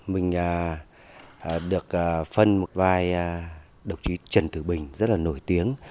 mình được phân một vai độc trí trần thử bình rất là nổi tiếng